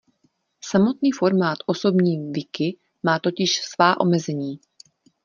Samotný formát osobní wiki má totiž svá omezení.